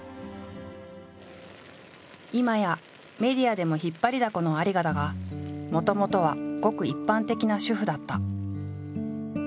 今やメディアでも引っ張りだこの有賀だがもともとはごく一般的な主婦だった。